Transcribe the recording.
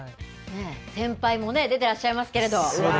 先輩も出ていらっしゃいますけれども。